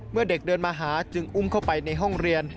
เมื่อเด็กเดินมาหาจึงอุ้มเข้าไปในห้องเรียน